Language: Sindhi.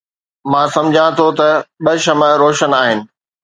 مان سمجهان ٿو ته ٻه شمع روشن آهن